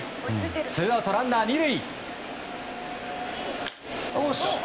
ツーアウトランナー２塁。